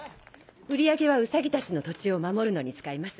売り上げはウサギたちの土地を守るのに使います。